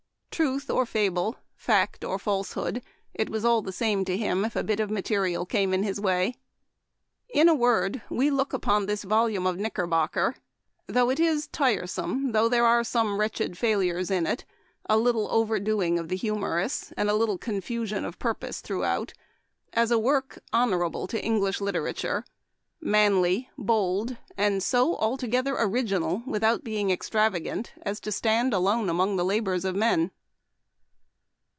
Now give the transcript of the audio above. Truth or fable, fact or falsehood, it was all the same to him if a bit of material came in his way. " In a word, we look upon this volume of Knickerbocker — though it is tiresome, though there are some wretched failures in it, a little overdoing of the humorous, and a little confusion of purpose throughout — as a work honorable to English literature; manly, bold, and so alto gether original, without being extravagant, as to stand alone among the labors of men.